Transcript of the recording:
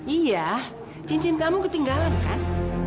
iya cincin kamu ketinggalan kan